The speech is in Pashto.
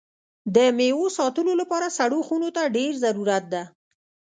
د میوو ساتلو لپاره سړو خونو ته ډېر ضرورت ده.